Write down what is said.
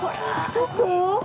どこ？